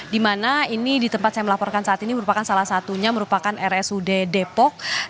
di mana ini di tempat saya melaporkan saat ini merupakan salah satunya merupakan rsud depok